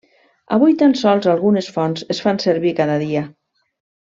Avui tan sols algunes fonts es fan servir cada dia.